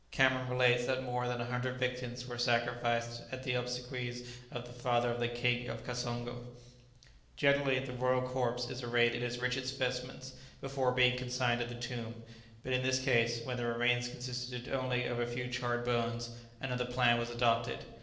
Cameron relates that more than a hundred victims were sacrificed at the obsequies of the father of the King of Kassongo.] Generally, the royal corpse is arrayed in its richest vestments before being consigned to the tomb, but in this case, when the remains consisted only of a few charred bones, another plan was adopted.